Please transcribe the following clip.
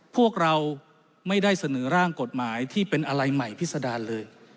พวกเราไม่ได้เสนอร่างกฎหมายที่เป็นอะไรใหม่พิษดารเลย